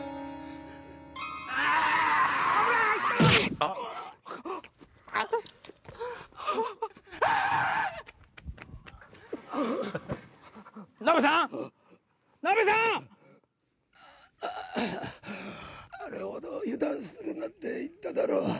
あれほど油断するなって言っただろ。